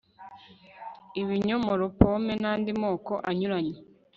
ibinyomoro pome nandi moko anyuranye